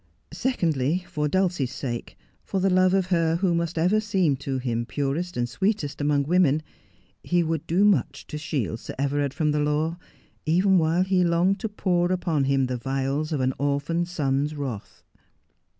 Secondly, for Dulcie's sake, for the love of her who must ever seem to him purest and sweetest among women, he would do much to shield Sir Evernrd from the law, even while he longed to pour upon him the vials of an orphaned son's wrath.